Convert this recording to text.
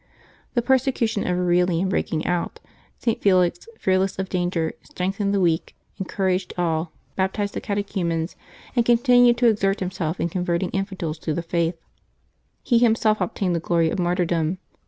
The persecution of Aurelian breaking out, St Felix, fearless of danger, strengthened the weak, encour aged all, baptized the catechumens, and continued to exert himself in converting infidels to the Faith. He him self obtained the glory of martyrdom.